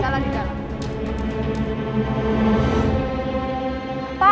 tinggal di dalam